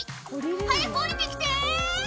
早く下りてきて！